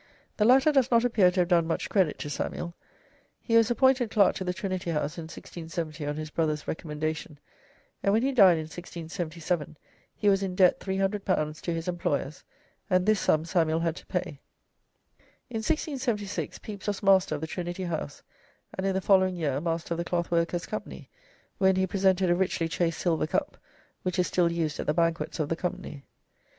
The latter does not appear to have done much credit to Samuel. He was appointed Clerk to the Trinity House in 1670 on his brother's recommendation, and when he died in 1677 he was in debt L300 to his employers, and this sum Samuel had to pay. In 1676 Pepys was Master of the Trinity House, and in the following year Master of the Clothworkers' Company, when he presented a richly chased silver cup, which is still used at the banquets of the company.